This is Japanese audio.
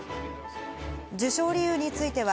受賞理由については、